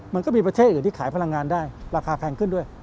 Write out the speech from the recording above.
มันก็มีประเทศอื่นที่ขายพลังงานได้ราคาแพงขึ้นด้วย